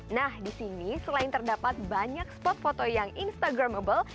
nah di sini selain terdapat banyak spot foto yang instagramable